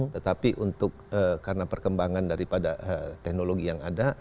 tetapi untuk karena perkembangan daripada teknologi yang ada